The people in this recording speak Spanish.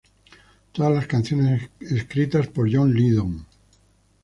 Todas las canciones escritas por John Lydon.